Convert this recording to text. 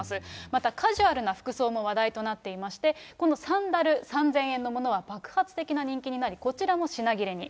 またカジュアルな服装も話題となっていまして、このサンダル、３０００円のものは爆発的な人気になり、こちらも品切れに。